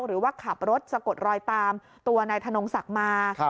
หรือว่าขับรถสะกดรอยตามตัวนายธนงศักดิ์มา